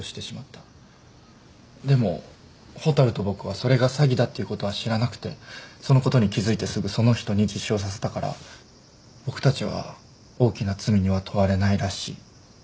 でも蛍と僕はそれが詐欺だっていうことは知らなくてそのことに気付いてすぐその人に自首をさせたから僕たちは大きな罪には問われないらしい。